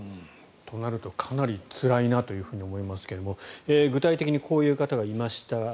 となるとかなりつらいなと思いますけれど具体的にこういう方がいました。